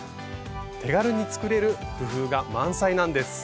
手軽に作れる工夫が満載なんです。